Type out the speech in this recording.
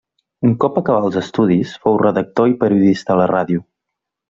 Un cop acabà els estudis, fou redactor i periodista a la ràdio.